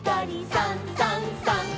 「さんさんさん」